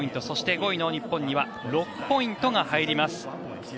そして、５位の日本には６ポイントが入ります。